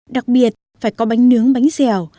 đặc biệt phải có bánh nướng bánh dẻo